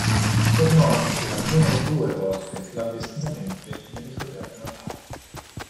Tornò anche almeno due volte clandestinamente nelle sue terre natali.